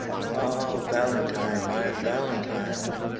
Ah Valentine my Valentine!